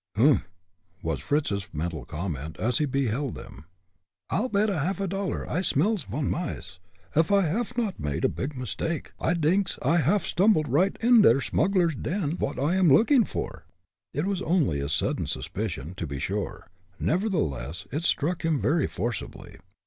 "Humph!" was Fritz's mental comment, as he beheld them. "I'll bet a half dollar I smells von mice. Uff I haff not made a big mistake, I dinks I haff stumbled right inder the smugglers' den vot I am looking for." It was only a sudden suspicion, to be sure; nevertheless it struck him very forcibly.